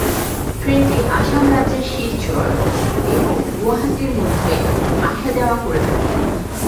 ট্রেনটি আসাম রাজ্যের শিলচর এবং গুয়াহাটির মধ্যে আসা যাওয়া করে থাকে।